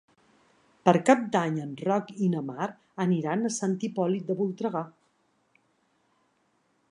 Per Cap d'Any en Roc i na Mar aniran a Sant Hipòlit de Voltregà.